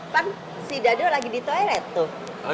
kan si dada lagi di toilet tuh